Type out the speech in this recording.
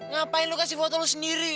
ngapain lo kasih foto lo sendiri